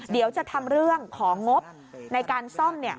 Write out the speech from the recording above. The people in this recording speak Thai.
เดี๋ยวจะทำเรื่องของงบในการซ่อม